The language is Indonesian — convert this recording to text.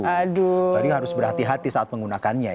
jadi harus berhati hati saat menggunakannya ya